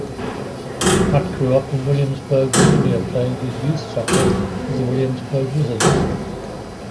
Matt grew up in Williamsburg, Virginia playing his youth soccer with the Williamsburg Wizards.